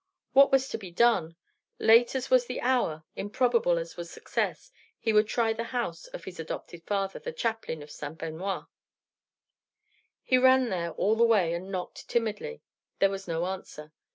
What was to be done? Late as was the hour, improbable as was success, he would try the house of his adopted father, the chaplain of St. Benoit. He ran there all the way, and knocked timidly. There was no answer.